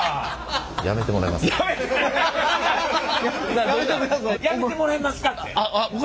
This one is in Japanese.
「やめてもらえますか」